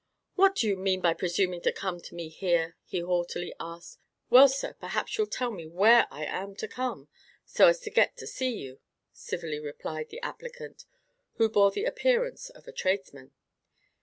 "What do you mean by presuming to come to me here?" he haughtily asked. "Well, sir, perhaps you'll tell me where I am to come, so as to get to see you?" civilly replied the applicant, one who bore the appearance of a tradesman.